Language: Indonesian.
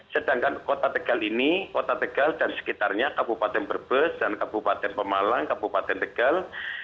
sedangkan kota tegal ini kota tegal dan sekitarnya kabupaten brebes dan kabupaten pemalang kabupaten tegal